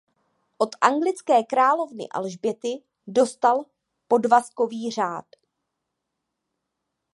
Od anglické královny Alžběty dostal Podvazkový řád.